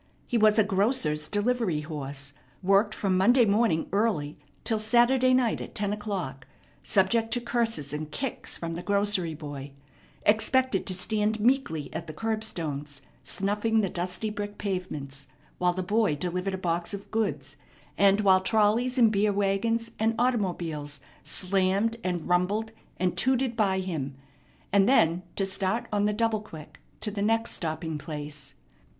He was a grocer's delivery horse, worked from Monday morning early till Saturday night at ten o'clock, subject to curses and kicks from the grocery boy, expected to stand meekly at the curbstones, snuffing the dusty brick pavements while the boy delivered a box of goods, and while trolleys and beer wagons and automobiles slammed and rumbled and tooted by him, and then to start on the double quick to the next stopping place.